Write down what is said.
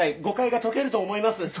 誤解が解けると思います。